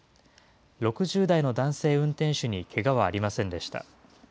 ６０代の男性運転手にけがはありませんでした。